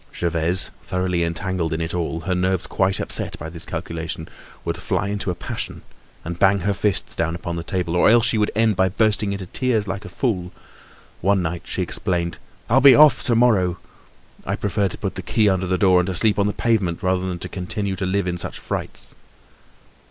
Gervaise, thoroughly entangled in it all, her nerves quite upset by this calculation, would fly into a passion and bang her fists down upon the table or else she would end by bursting into tears like a fool. One night she exclaimed: "I'll be off to morrow! I prefer to put the key under the door and to sleep on the pavement rather than continue to live in such frights."